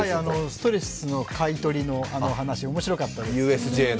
ストレスの買い取りの話面白かったですね。